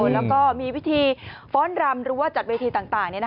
แล้วก็มีวิธีฟ้อนรำหรือว่าจัดเวทีต่าง